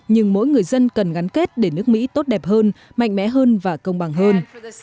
nhưng mỗi người dân cần gắn kết để nước mỹ tốt đẹp hơn mạnh mẽ hơn và công bằng hơn